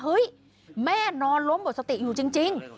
เฮ้ยแม่นอนล้มบทสติอยู่จริง